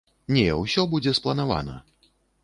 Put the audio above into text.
Не, усё будзе спланавана.